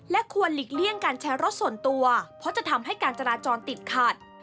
ควรหลีกเลี่ยงการแชร์รถส่วนตัวเพราะจะทำให้การจราจรติดขัด